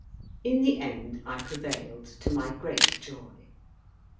In the end I prevailed, to my great joy.